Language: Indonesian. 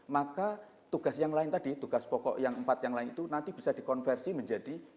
maka tugas yang lain tadi tugas pokok yang empat yang lain itu nanti bisa dikonversi menjadi